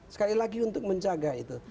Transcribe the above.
sekali lagi untuk menjaga itu